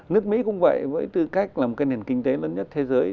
nước mỹ cũng vậy với tư cách là một cái nền kinh tế lớn nhất thế giới